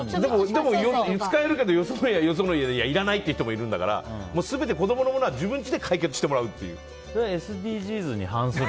使えるけどよその家はよその家でいらないっていう人もいるんだから全て子供のものは自分ちで解決してもらうという。